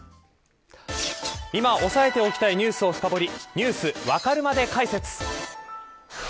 今、押さえておきたいニュースを深掘りＮｅｗｓわかるまで解説。